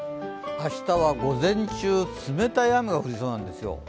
明日は午前中、冷たい雨が降りそうなんですよ。